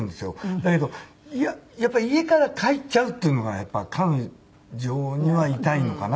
だけどやっぱり家から帰っちゃうっていうのがやっぱり彼女には痛いのかな。